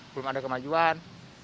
belum ada kemajuan